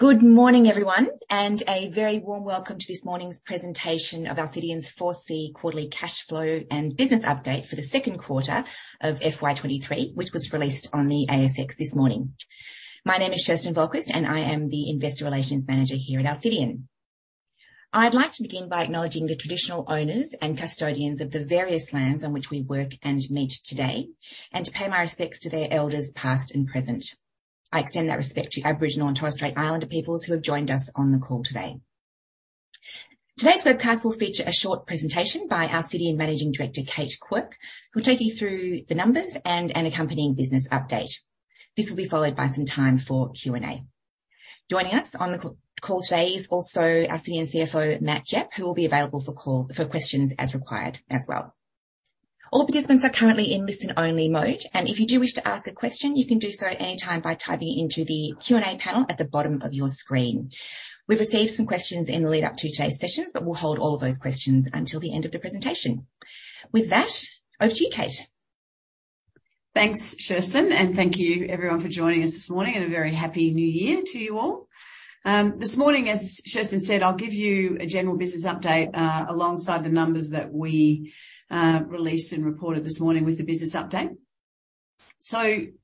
Good morning everyone, and a very warm welcome to this morning's presentation of Alcidion's 4C quarterly cash flow and business update for the second quarter of FY 2023, which was released on the ASX this morning. My name is Kerstin Wahlqvist, and I am the Investor Relations Manager here at Alcidion. I'd like to begin by acknowledging the traditional owners and custodians of the various lands on which we work and meet today, and to pay my respects to their elders, past and present. I extend that respect to Aboriginal and Torres Strait Islander peoples who have joined us on the call today. Today's webcast will feature a short presentation by Alcidion Managing Director, Kate Quirke, who'll take you through the numbers and an accompanying business update. This will be followed by some time for Q&A. Joining us on the call today is also Alcidion CFO, Matt Jepp, who will be available for questions as required as well. All participants are currently in listen-only mode, and if you do wish to ask a question, you can do so at any time by typing it into the Q&A panel at the bottom of your screen. We've received some questions in the lead-up to today's sessions, but we'll hold all of those questions until the end of the presentation. With that, over to you Kate. Thanks, Kerstin. Thank you everyone for joining us this morning, a very happy New Year to you all. This morning, as Kerstin said, I'll give you a general business update alongside the numbers that we released and reported this morning with the business update.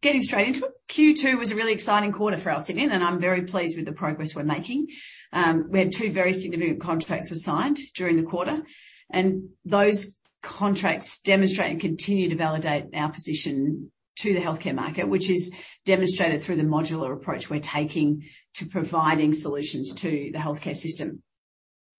Getting straight into it. Q2 was a really exciting quarter for Alcidion, I'm very pleased with the progress we're making. We had two very significant contracts were signed during the quarter, those contracts demonstrate and continue to validate our position to the healthcare market, which is demonstrated through the modular approach we're taking to providing solutions to the healthcare system.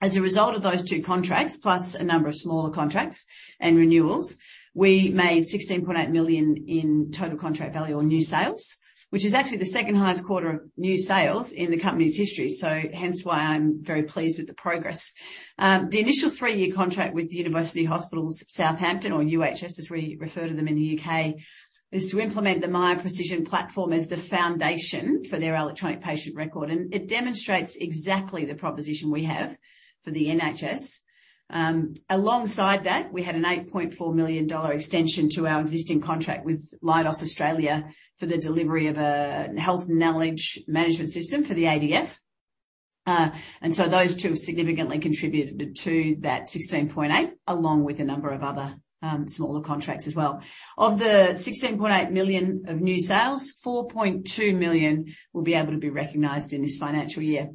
As a result of those two contracts, plus a number of smaller contracts and renewals, we made 16.8 million in total contract value on new sales, which is actually the second highest quarter of new sales in the company's history. Hence why I'm very pleased with the progress. The initial three-year contract with University Hospital Southampton, or UHS as we refer to them in the U.K., is to implement the Miya Precision platform as the foundation for their electronic patient record. It demonstrates exactly the proposition we have for the NHS. Alongside that, we had an 8.4 million dollar extension to our existing contract with Leidos Australia for the delivery of a Health Knowledge Management System for the ADF. Those two significantly contributed to that 16.8 million, along with a number of other smaller contracts as well. Of the 16.8 million of new sales, 4.2 million will be able to be recognized in this financial year.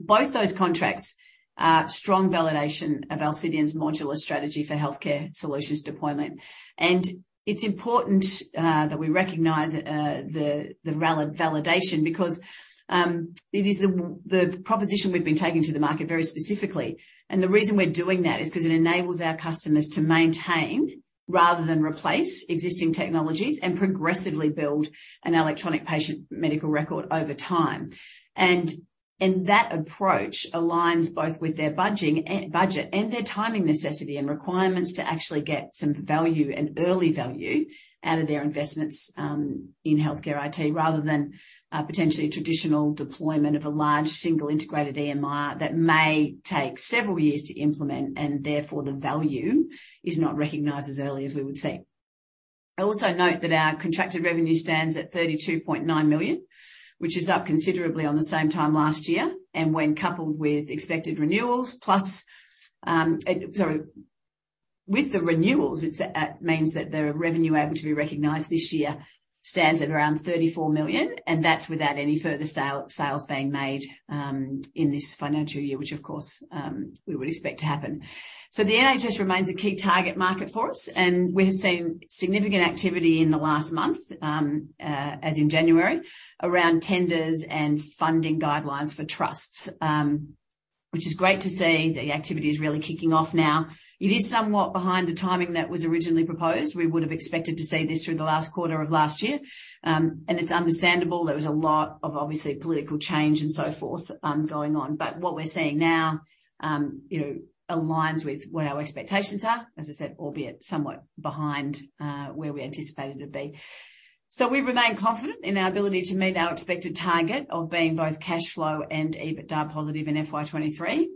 Both those contracts are strong validation of Alcidion's modular strategy for healthcare solutions deployment. It's important that we recognize the validation because it is the proposition we've been taking to the market very specifically. The reason we're doing that is 'cause it enables our customers to maintain rather than replace existing technologies and progressively build an electronic patient medical record over time. That approach aligns both with their budget and their timing necessity and requirements to actually get some value and early value out of their investments in healthcare IT, rather than potentially traditional deployment of a large single integrated EMR that may take several years to implement and therefore the value is not recognized as early as we would see. I also note that our contracted revenue stands at 32.9 million, which is up considerably on the same time last year. When coupled with expected renewals, it means that the revenue able to be recognized this year stands at around 34 million, and that's without any further sales being made in this financial year, which of course, we would expect to happen. The NHS remains a key target market for us, and we have seen significant activity in the last month, as in January, around tenders and funding guidelines for trusts, which is great to see. The activity is really kicking off now. It is somewhat behind the timing that was originally proposed. We would have expected to see this through the last quarter of last year. It's understandable. There was a lot of obviously political change and so forth, going on. What we're seeing now aligns with what our expectations are, as I said, albeit somewhat behind where we anticipated to be. We remain confident in our ability to meet our expected target of being both cash flow and EBITDA positive in FY 2023,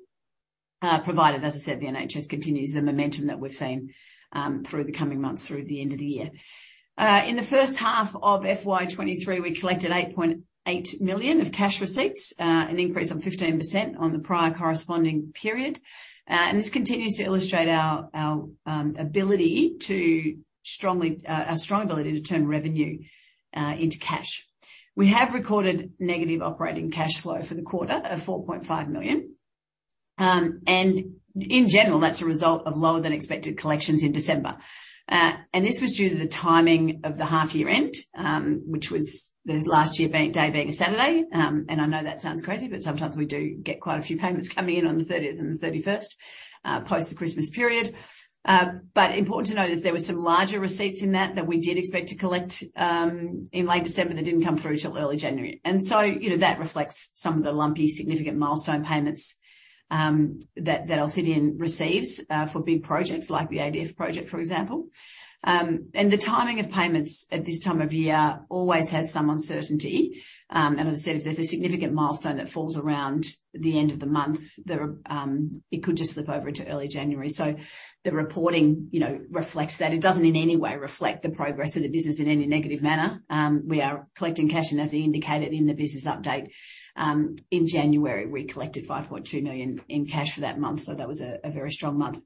provided, as I said, the NHS continues the momentum that we've seen through the coming months through the end of the year. In the first half of FY 2023, we collected 8.8 million of cash receipts, an increase of 15% on the prior corresponding period. This continues to illustrate our strong ability to turn revenue into cash. We have recorded negative operating cash flow for the quarter of 4.5 million. In general, that's a result of lower than expected collections in December. This was due to the timing of the half year-end, which was the last year bank day being a Saturday. I know that sounds crazy, but sometimes we do get quite a few payments coming in on the 30th and the 31st, post the Christmas period. Important to note is there were some larger receipts in that we did expect to collect in late December that didn't come through till early January. You know, that reflects some of the lumpy significant milestone payments that Alcidion receives for big projects like the ADF project, for example. The timing of payments at this time of year always has some uncertainty. As I said, if there's a significant milestone that falls around the end of the month, it could just slip over into early January. The reporting reflects that. It doesn't in any way reflect the progress of the business in any negative manner. We are collecting cash and as indicated in the business update in January, we collected 5.2 million in cash for that month, so that was a very strong month.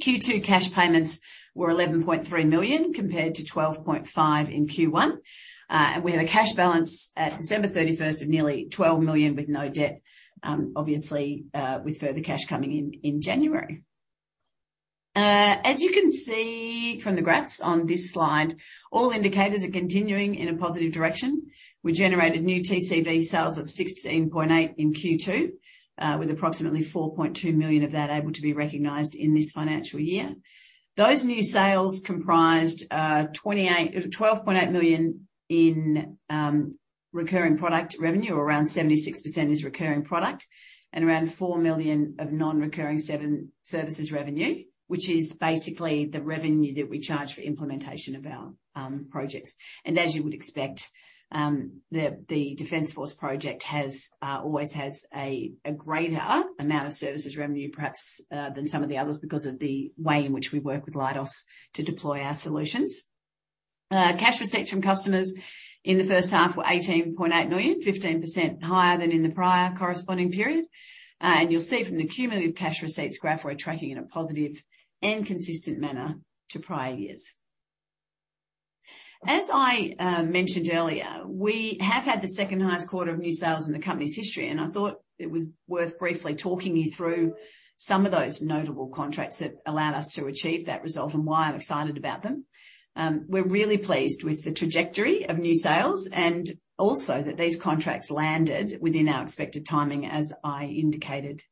Q2 cash payments were 11.3 million compared to 12.5 million in Q1. We have a cash balance at December 31st of nearly 12 million with no debt, obviously, with further cash coming in January. As you can see from the graphs on this slide, all indicators are continuing in a positive direction. We generated new TCV sales of 16.8 million in Q2, with approximately 4.2 million of that able to be recognized in this financial year. Those new sales comprised 12.8 million in recurring product revenue. Around 76% is recurring product and around 4 million of non-recurring services revenue, which is basically the revenue that we charge for implementation of our projects. As you would expect, the Defence Force project has always has a greater amount of services revenue perhaps than some of the others because of the way in which we work with Leidos to deploy our solutions. Cash receipts from customers in the first half were 18.8 million, 15% higher than in the prior corresponding period. You'll see from the cumulative cash receipts graph, we're tracking in a positive and consistent manner to prior-years. As I mentioned earlier, we have had the second highest quarter of new sales in the company's history, and I thought it was worth briefly talking you through some of those notable contracts that allowed us to achieve that result and why I'm excited about them. We're really pleased with the trajectory of new sales and also that these contracts landed within our expected timing, as I indicated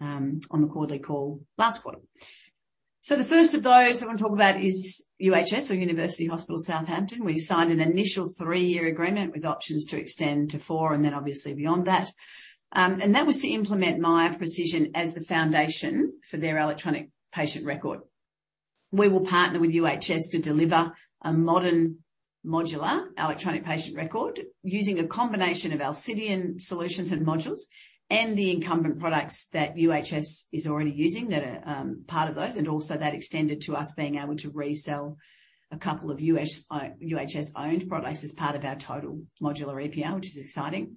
on the quarterly call last quarter. The first of those I want to talk about is UHS or University Hospitals Southampton. We signed an initial three-year agreement with options to extend to four and then obviously beyond that. That was to implement Miya Precision as the foundation for their electronic patient record. We will partner with UHS to deliver a modern modular electronic patient record using a combination of Alcidion solutions and modules and the incumbent products that UHS is already using that are part of those, and also that extended to us being able to resell a couple of UHS-owned products as part of our total modular EPR, which is exciting.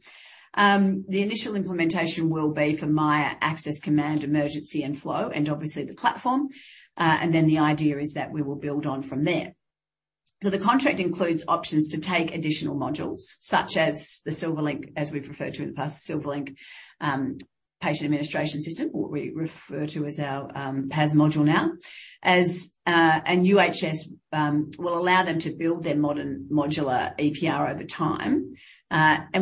The initial implementation will be for Miya Access, Command, Emergency and Flow and obviously the platform. Then the idea is that we will build on from there. The contract includes options to take additional modules such as the Silverlink, as we've referred to in the past, Silverlink, Patient Administration System, what we refer to as our PAS module now. UHS will allow them to build their modern modular EPR over time.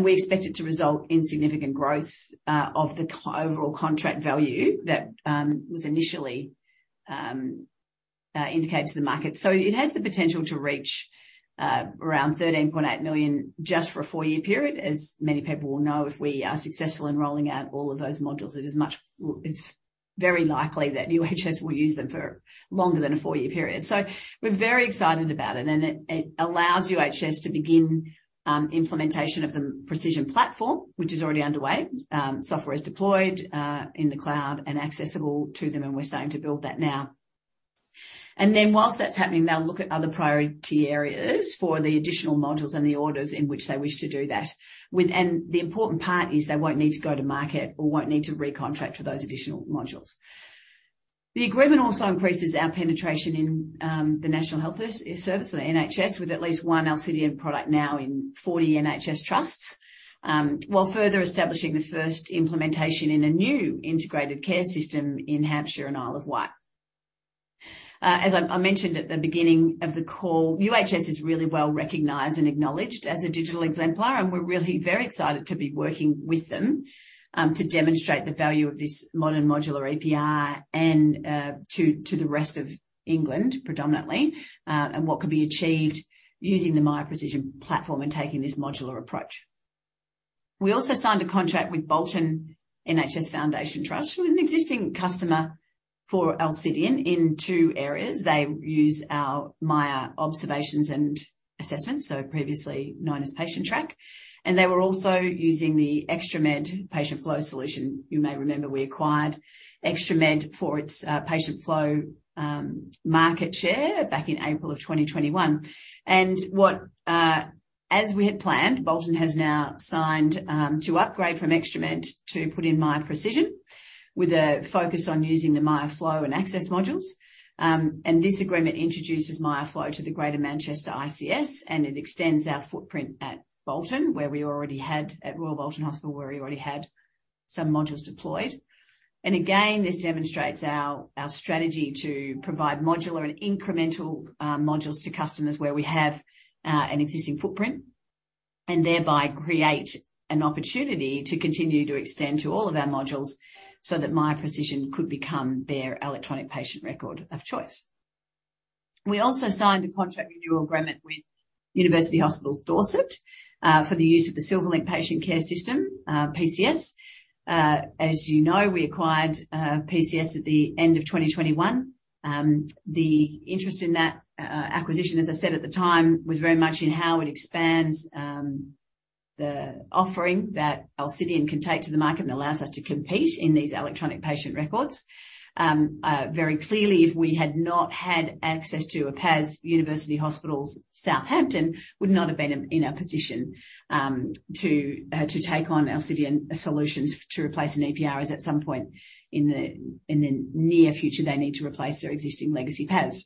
We expect it to result in significant growth of the overall contract value that was initially indicated to the market. It has the potential to reach around 13.8 million just for a four-year period. As many people will know, if we are successful in rolling out all of those modules, it's very likely that UHS will use them for longer than a four-year period. We're very excited about it. It allows UHS to begin implementation of the Precision platform, which is already underway. Software is deployed in the cloud and accessible to them, and we're starting to build that now. Whilst that's happening, they'll look at other priority areas for the additional modules and the orders in which they wish to do that with. The important part is they won't need to go to market or won't need to recontract for those additional modules. The agreement also increases our penetration in the National Health Service, the NHS, with at least one Alcidion product now in 40 NHS trusts, while further establishing the first implementation in a new integrated care system in Hampshire and Isle of Wight. As I mentioned at the beginning of the call, UHS is really well-recognized and acknowledged as a digital exemplar, and we're really very excited to be working with them to demonstrate the value of this modern modular EPR and to the rest of England predominantly, and what can be achieved using the Miya Precision platform and taking this modular approach. We also signed a contract with Bolton NHS Foundation Trust, who is an existing customer for Alcidion in two areas. They use our Miya Observations and Assessments, so previously known as Patientrack, and they were also using the ExtraMed patient flow solution. You may remember we acquired ExtraMed for its patient flow market share back in April of 2021. As we had planned, Bolton has now signed to upgrade from ExtraMed to put in Miya Precision with a focus on using the Miya Flow and Miya Access modules. This agreement introduces Miya Flow to the Greater Manchester ICS, and it extends our footprint at Bolton, at Royal Bolton Hospital, where we already had some modules deployed. Again, this demonstrates our strategy to provide modular and incremental modules to customers where we have an existing footprint and thereby create an opportunity to continue to extend to all of our modules so that Miya Precision could become their electronic patient record of choice. We also signed a contract renewal agreement with University Hospitals Dorset for the use of the Silverlink Patient Care System, PCS. As you know, we acquired PCS at the end of 2021. The interest in that acquisition, as I said at the time, was very much in how it expands the offering that Alcidion can take to the market and allows us to compete in these electronic patient records. Very clearly, if we had not had access to a PAS, University Hospitals Southampton would not have been in a position to take on Alcidion solutions to replace an EPR, as at some point in the near future, they need to replace their existing legacy PAS.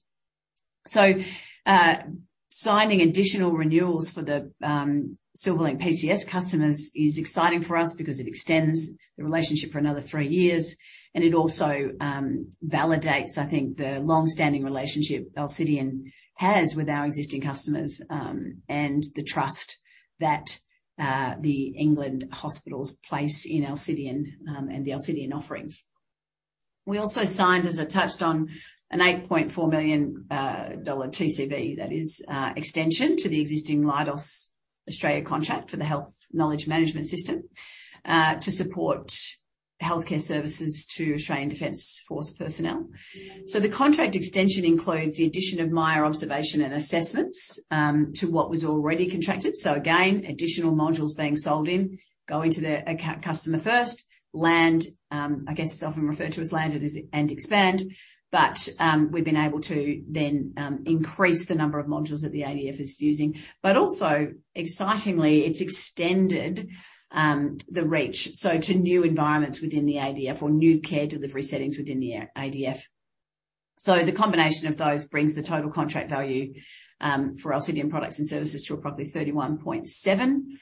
Signing additional renewals for the Silverlink PCS customers is exciting for us because it extends the relationship for another three years, and it also validates the long-standing relationship Alcidion has with our existing customers and the trust that the England hospitals place in Alcidion and the Alcidion offerings. We also signed, as I touched on, an 8.4 million dollar TCV that is extension to the existing Leidos Australia contract for the Health Knowledge Management System to support healthcare services to Australian Defence Force personnel. The contract extension includes the addition of Miya Observations and Assessments to what was already contracted. Again, additional modules being sold in, going to the customer first. Land, I guess it's often referred to as land and expand, but we've been able to then increase the number of modules that the ADF is using. Also, excitingly, it's extended the reach, to new environments within the ADF or new care delivery settings within the ADF. The combination of those brings the total contract value for Alcidion products and services to roughly 31.7 million.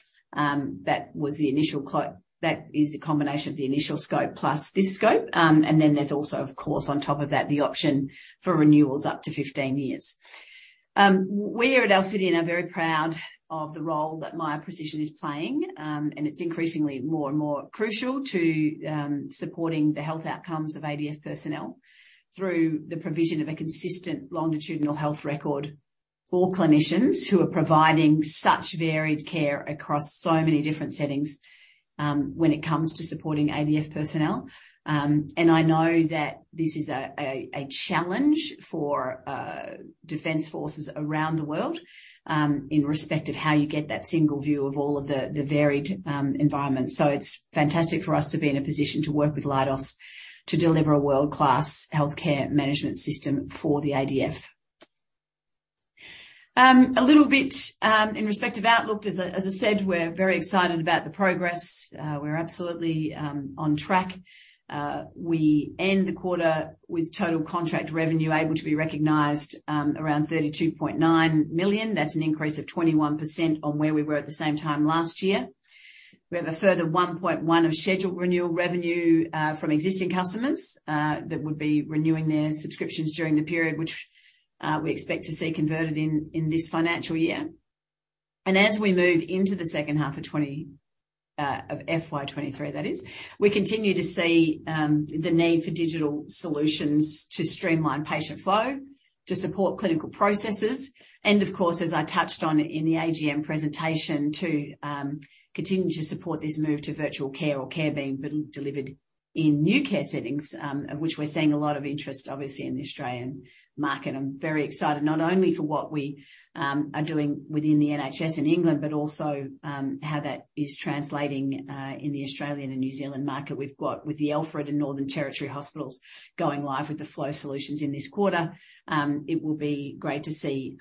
That is the combination of the initial scope plus this scope. Then there's also, of course, on top of that, the option for renewals up to 15 years. We at Alcidion are very proud of the role that Miya Precision is playing, and it's increasingly more and more crucial to supporting the health outcomes of ADF personnel through the provision of a consistent longitudinal health record for clinicians who are providing such varied care across so many different settings, when it comes to supporting ADF personnel. I know that this is a challenge for defense forces around the world, in respect of how you get that single view of all of the varied environments. It's fantastic for us to be in a position to work with Leidos to deliver a world-class healthcare management system for the ADF. A little bit in respect of outlook, as I said, we're very excited about the progress. We're absolutely on track. We end the quarter with total contract revenue able to be recognized, around 32.9 million. That's an increase of 21% on where we were at the same time last year. We have a further 1.1 million of scheduled renewal revenue from existing customers that would be renewing their subscriptions during the period which we expect to see converted in this financial year. As we move into the second half of FY 2023 that is, we continue to see the need for digital solutions to streamline patient flow, to support clinical processes, and of course, as I touched on in the AGM presentation, to continue to support this move to virtual care or care being delivered in new care settings, of which we're seeing a lot of interest, obviously, in the Australian market. I'm very excited not only for what we are doing within the NHS in England, but also how that is translating in the Australian and New Zealand market. With The Alfred and Northern Territory Hospitals going live with the flow solutions in this quarter, it will be great to see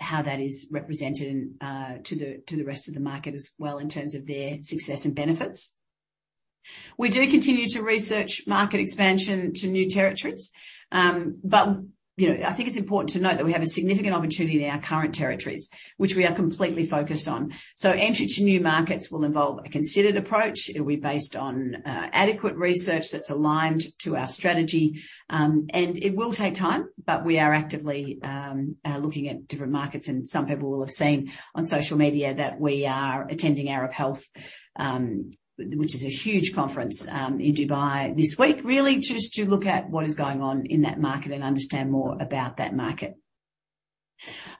how that is represented to the rest of the market as well in terms of their success and benefits. We do continue to research market expansion to new territories. I think it's important to note that we have a significant opportunity in our current territories, which we are completely focused on. Entry to new markets will involve a considered approach. It'll be based on adequate research that's aligned to our strategy. It will take time, but we are actively looking at different markets, and some people will have seen on social media that we are attending Arab Health, which is a huge conference in Dubai this week, really just to look at what is going on in that market and understand more about that market.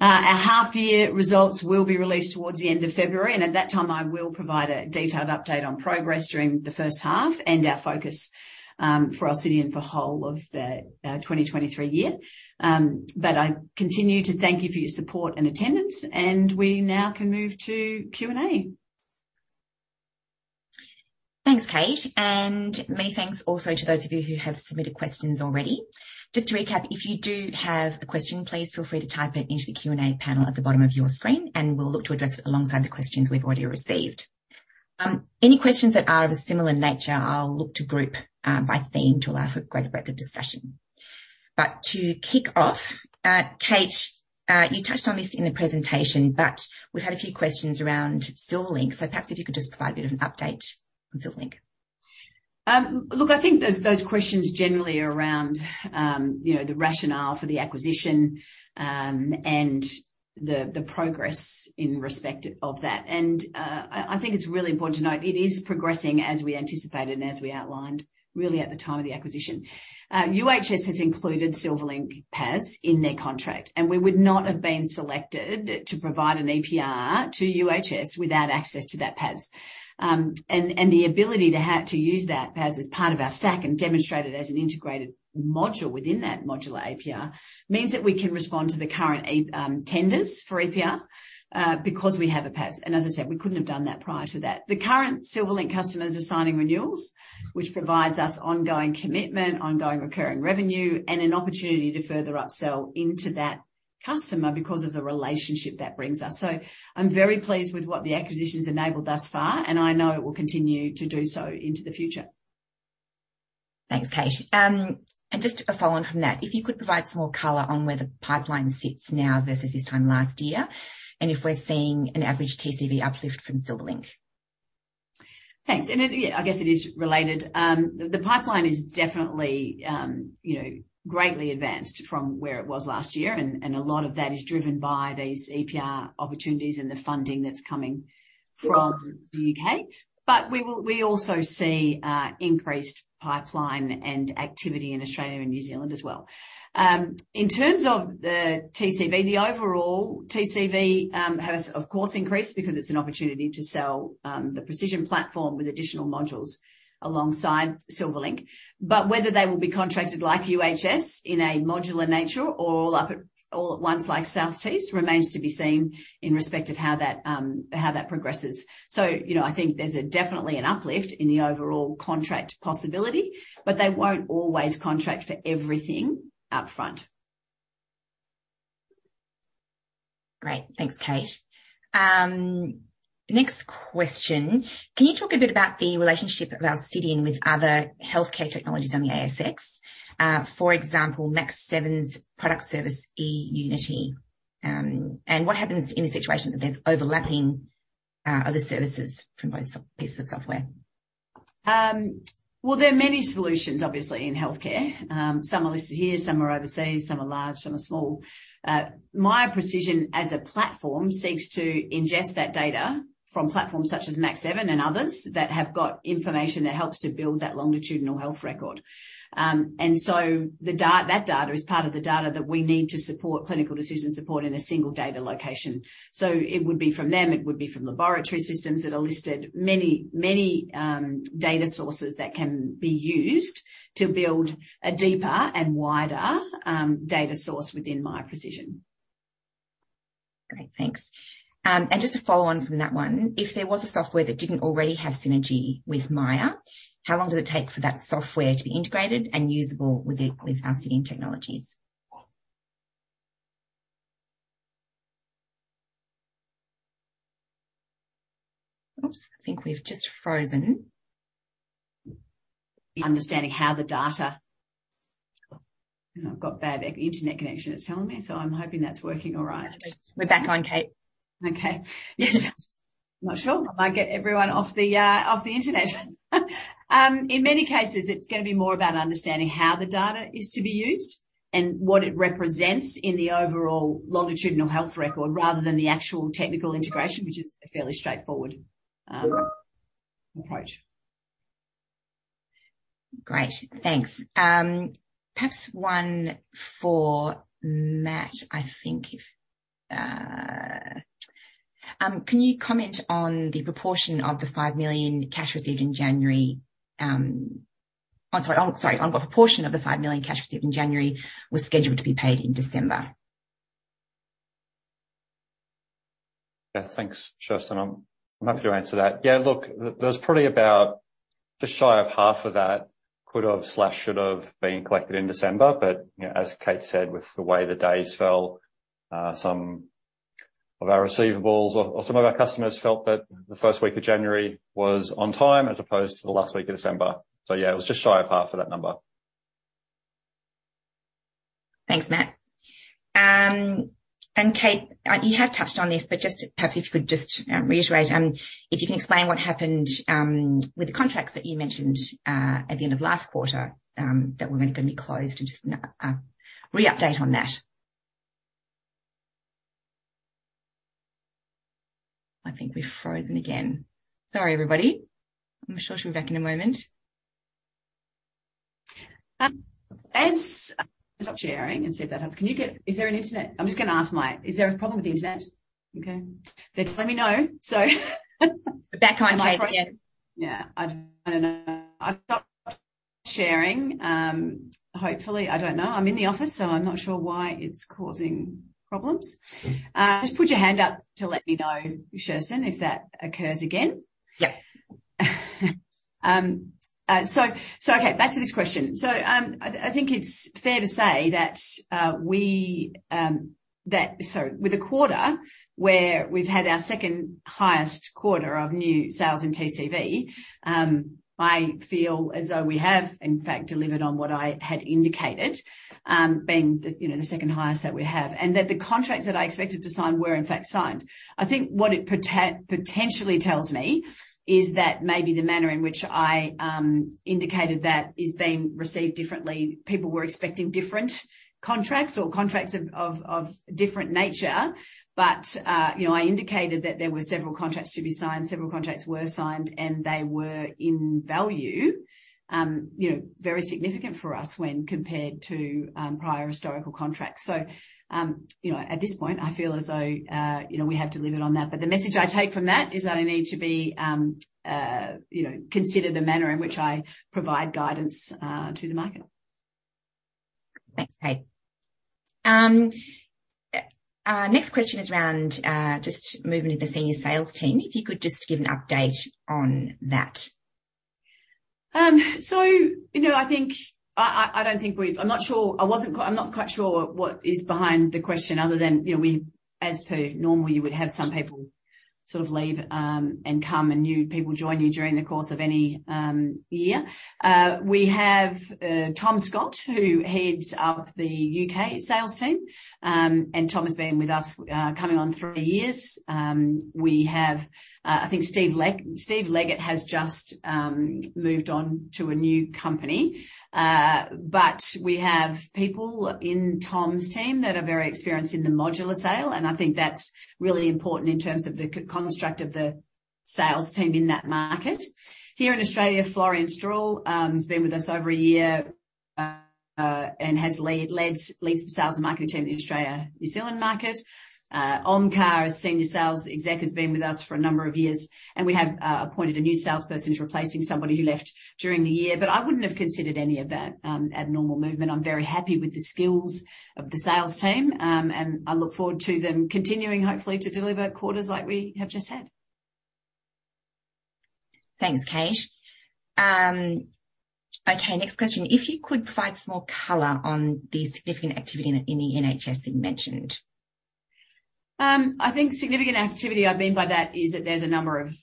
Our half-year results will be released towards the end of February, and at that time, I will provide a detailed update on progress during the first half and our focus for Alcidion for whole of the 2023 year. I continue to thank you for your support and attendance, and we now can move to Q&A. Thanks, Kate. Many thanks also to those of you who have submitted questions already. Just to recap, if you do have a question, please feel free to type it into the Q&A panel at the bottom of your screen, and we'll look to address it alongside the questions we've already received. Any questions that are of a similar nature, I'll look to group by theme to allow for a greater breadth of discussion. To kick off, Kate, you touched on this in the presentation, but we've had a few questions around Silverlink. Perhaps if you could just provide a bit of an update on Silverlink. Look, I think those questions generally are around, you know, the rationale for the acquisition, and the progress in respect of that. I think it's really important to note it is progressing as we anticipated and as we outlined really at the time of the acquisition. UHS has included Silverlink PAS in their contract, and we would not have been selected to provide an EPR to UHS without access to that PAS. And the ability to have to use that PAS as part of our stack and demonstrate it as an integrated module within that modular EPR means that we can respond to the current tenders for EPR because we have a PAS. As I said, we couldn't have done that prior to that. The current Silverlink customers are signing renewals, which provides us ongoing commitment, ongoing recurring revenue, and an opportunity to further upsell into that customer because of the relationship that brings us. I'm very pleased with what the acquisition's enabled thus far, and I know it will continue to do so into the future. Thanks, Kate. Just a follow on from that, if you could provide some more color on where the pipeline sits now versus this time last year, and if we're seeing an average TCV uplift from Silverlink. Thanks. I guess it is related. The pipeline is definitely, you know, greatly advanced from where it was last year, and a lot of that is driven by these EPR opportunities and the funding that's coming from the U.K. We also see increased pipeline and activity in Australia and New Zealand as well. In terms of the TCV, the overall TCV, has of course increased because it's an opportunity to sell, the Precision platform with additional modules alongside Silverlink. Whether they will be contracted like UHS in a modular nature or all at once like South East remains to be seen in respect of how that, how that progresses. You know, I think there's a definitely an uplift in the overall contract possibility, but they won't always contract for everything up front. Great. Thanks, Kate. Next question. Can you talk a bit about the relationship of Alcidion with other healthcare technologies on the ASX? For example, Mach7's product service, eUnity. What happens in the situation that there's overlapping, other services from both pieces of software? Well, there are many solutions, obviously, in healthcare. Some are listed here, some are overseas, some are large, some are small. Miya Precision as a platform seeks to ingest that data from platforms such as Mach7 and others that have got information that helps to build that longitudinal health record. That data is part of the data that we need to support clinical decision support in a single data location. So it would be from them, it would be from laboratory systems that are listed. Many data sources that can be used to build a deeper and wider, data source within Miya Precision. Great. Thanks. Just to follow on from that one, if there was a software that didn't already have synergy with Miya, how long does it take for that software to be integrated and usable with Alcidion technologies? I think we've just frozen. I've got bad internet connection, it's telling me, so I'm hoping that's working all right. We're back on, Kate. Okay. Yes. Not sure. I might get everyone off the off the internet. In many cases, it's gonna be more about understanding how the data is to be used and what it represents in the overall longitudinal health record rather than the actual technical integration, which is a fairly straightforward approach. Great. Thanks. Perhaps one for Matt, can you comment on the proportion of the 5 million cash received in January? Sorry. On what proportion of the 5 million cash received in January was scheduled to be paid in December? Thanks, Kerstin. I'm happy to answer that. Look, there's probably about just shy of half of that could have/should have been collected in December, but as Kate said, with the way the days fell, some of our receivables or some of our customers felt that the first week of January was on time as opposed to the last week of December. It was just shy of half for that number. Thanks, Matt. Kate, you have touched on this, but just perhaps if you could just reiterate, if you can explain what happened with the contracts that you mentioned at the end of last quarter, that were then gonna be closed, and just an re-update on that. I think we've frozen again. Sorry, everybody. I'm sure she'll be back in a moment. Stop sharing and see if that helps. Is there an internet? I'm just gonna ask Miya. Is there a problem with the internet? Okay. They're letting me know, so. We're back on, Kate. Yeah. Yeah. I don't know. I've got sharing, hopefully. I don't know. I'm in the office, so I'm not sure why it's causing problems. Just put your hand up to let me know, Kerstin, if that occurs again. Yeah. Okay, back to this question. I think it's fair to say that we, so with a quarter where we've had our second highest quarter of new sales in TCV, I feel as though we have, in fact, delivered on what I had indicated, being the, you know, the second highest that we have, and that the contracts that I expected to sign were in fact signed. I think what it potentially tells me is that maybe the manner in which I indicated that is being received differently. People were expecting different contracts or contracts of different nature. I indicated that there were several contracts to be signed, several contracts were signed, and they were in value, you know, very significant for us when compared to prior historical contracts. You know, at this point, I feel as though, you know, we have delivered on that, but the message I take from that is that I need to be, you know, consider the manner in which I provide guidance to the market. Thanks, Kate. Next question is around, just moving to the senior sales team, if you could just give an update on that? You know, I'm not sure. I'm not quite sure what is behind the question other than, you know, as per normal, you would have some people sort of leave, and come, and new people join you during the course of any year. We have Tom Scott, who heads up the U.K. sales team. Tom has been with us, coming on three years. We have, I think, Steve Leggett has just moved on to a new company. We have people in Tom's team that are very experienced in the modular sale, and I think that's really important in terms of the construct of the sales team in that market. Here in Australia, Florian Stroehle, has been with us over a year, and has leads the sales and marketing team in Australia/New Zealand market. Omkar, senior sales exec, has been with us for a number of years, and we have appointed a new salesperson who's replacing somebody who left during the year. I wouldn't have considered any of that, abnormal movement. I'm very happy with the skills of the sales team, and I look forward to them continuing, hopefully, to deliver quarters like we have just had. Thanks, Kate. Okay, next question. If you could provide some more color on the significant activity in the NHS that you mentioned. I think significant activity, I mean by that is that there's a number of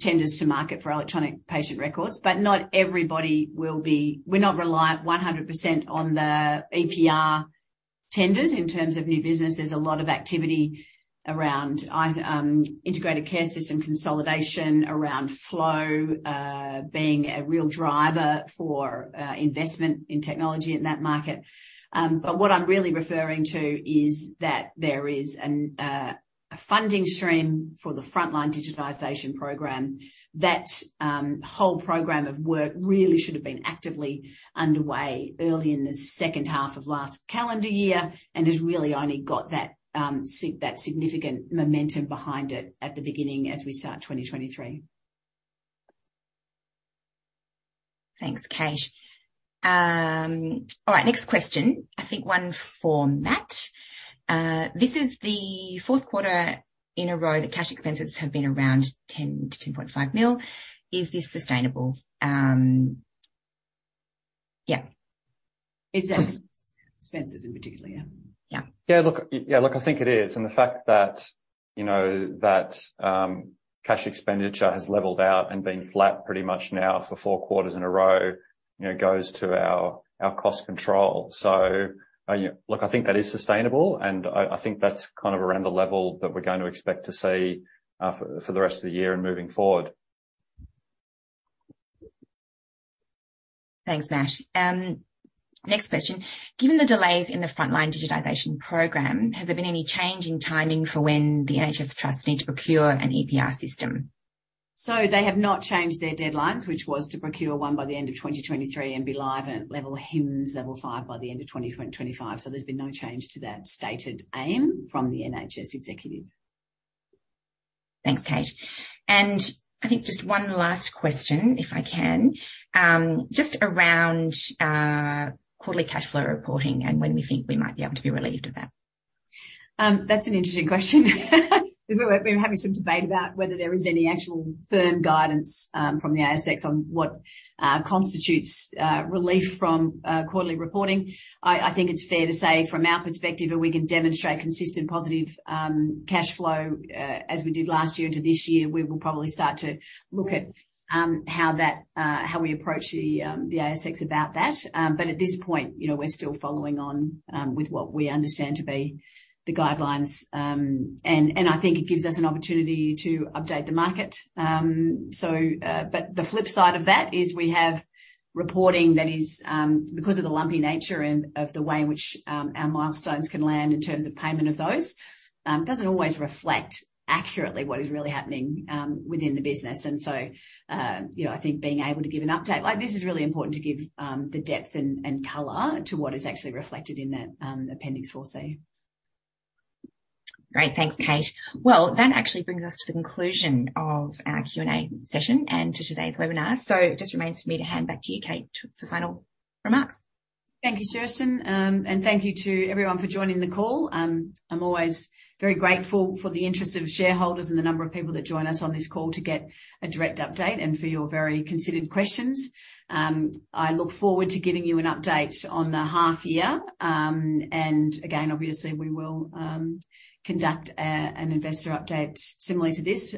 tenders to market for Electronic Patient Records, but not everybody will be. We're not reliant 100% on the EPR tenders in terms of new business. There's a lot of activity around integrated care system consolidation, around flow, being a real driver for investment in technology in that market. What I'm really referring to is that there is an a funding stream for the Frontline Digitisation Programme. That whole program of work really should have been actively underway early in the second half of last calendar year and has really only got that significant momentum behind it at the beginning as we start 2023. Thanks, Kate. All right, next question. I think one for Matt. This is the fourth quarter in a row that cash expenses have been around 10 million-10.5 million. Is this sustainable? Yeah. Is that expenses in particular, yeah? Yeah. Look, I think it is. The fact that, you know, that cash expenditure has leveled out and been flat pretty much now for four quarters in a row, you know, goes to our cost control. You know, look, I think that is sustainable, and I think that's kind of around the level that we're going to expect to see for the rest of the year and moving forward. Thanks, Matt. Next question. Given the delays in the Frontline Digitisation Programme, has there been any change in timing for when the NHS trusts need to procure an EPR system? They have not changed their deadlines, which was to procure one by the end of 2023 and be live at HIMSS Level 5 by the end of 2025. There's been no change to that stated aim from the NHS England. Thanks, Kate. I think just one last question, if I can. Just around quarterly cash flow reporting and when we think we might be able to be relieved of that? That's an interesting question. We've been having some debate about whether there is any actual firm guidance from the ASX on what constitutes relief from quarterly reporting. I think it's fair to say from our perspective, if we can demonstrate consistent positive cash flow, as we did last year into this year, we will probably start to look at how that, how we approach the ASX about that. At this point we're still following on with what we understand to be the guidelines. I think it gives us an opportunity to update the market. The flip side of that is we have reporting that is, because of the lumpy nature and of the way in which, our milestones can land in terms of payment of those, doesn't always reflect accurately what is really happening, within the business. You know, I think being able to give an update like this is really important to give, the depth and color to what is actually reflected in that, Appendix 4C. Great. Thanks, Kate. Well, that actually brings us to the conclusion of our Q&A session and to today's webinar. It just remains for me to hand back to you Kate, for final remarks. Thank you, Kerstin. Thank you to everyone for joining the call. I'm always very grateful for the interest of shareholders and the number of people that join us on this call to get a direct update, and for your very considered questions. I look forward to giving you an update on the half year. Again, obviously we will conduct an investor update similar to this,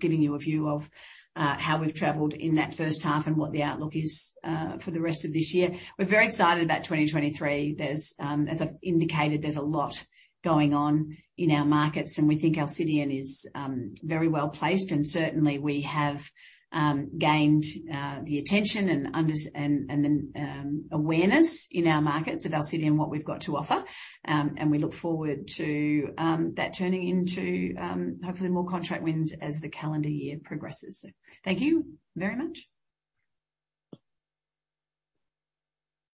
giving you a view of how we've traveled in that first half and what the outlook is for the rest of this year. We're very excited about 2023. There's, as I've indicated, there's a lot going on in our markets, and we think Alcidion is very well placed, and certainly we have gained the attention and the awareness in our markets of Alcidion and what we've got to offer. We look forward to that turning into hopefully more contract wins as the calendar year progresses. Thank you very much.